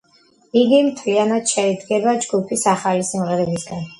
იგი მთლიანად შედგება ჯგუფის ახალი სიმღერებისგან.